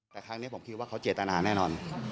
แต่ครั้งนี้ผมคิดว่าเขาเจตนาแน่นอน